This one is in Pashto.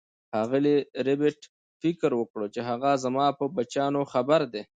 ښاغلي ربیټ فکر وکړ چې هغه زما په بچیانو خبر دی